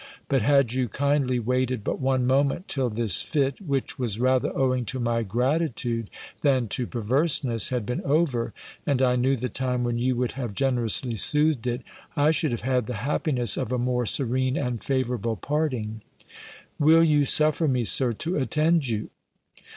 But had you kindly waited but one moment till this fit, which was rather owing to my gratitude than to perverseness, had been over (and I knew the time when you would have generously soothed it), I should have had the happiness of a more serene and favourable parting. "Will you suffer me, Sir, to attend you?